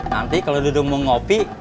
nanti kalau duduk mau ngopi